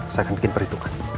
saya akan bikin perhitungan